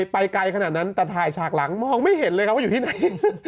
ไปไกลขนาดนั้นแต่ถ่ายฉากหลังมองไม่เห็นเลยครับว่าอยู่ที่ไหน